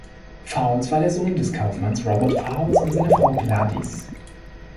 Fowles war der Sohn des Kaufmanns Robert Fowles und seiner Frau Gladys.